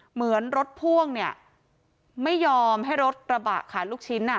เหมือนรถพ่วงเนี่ยไม่ยอมให้รถกระบะขายลูกชิ้นอ่ะ